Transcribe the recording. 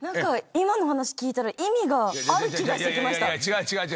今の話聞いたら意味がある気がしてきました。